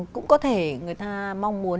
cũng có thể người ta mong muốn